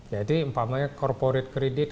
jadi empat empatnya corporate kredit